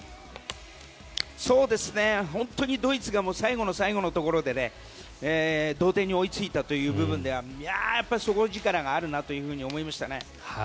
本当にドイツが最後の最後のところで同点に追いついたという部分ではやっぱり底力があるなと思いましたね。